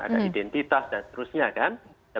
ada identitas dan seterusnya kan